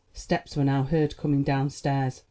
Steps were now heard coming downstairs.